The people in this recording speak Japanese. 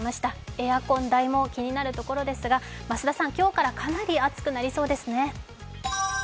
エアコン代も気になるところですが、増田さん、今日からかなり暑くなりそうですね。